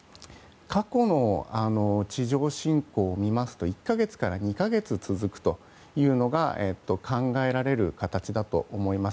過去の地上侵攻を見ますと１か月から２か月続くというのが考えられる形だと思います。